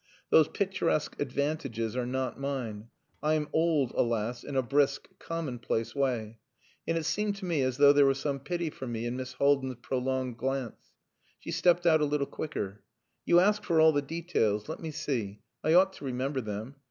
Those picturesque advantages are not mine. I am old, alas, in a brisk, commonplace way. And it seemed to me as though there were some pity for me in Miss Haldin's prolonged glance. She stepped out a little quicker. "You ask for all the details. Let me see. I ought to remember them.